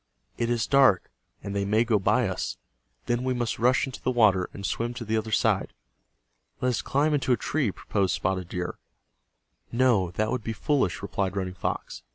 "It is dark, and they may go by us. Then we must rush into the water, and swim to the other side." "Let us climb into a tree," proposed Spotted Deer. "No, that would be foolish," replied Running Fox.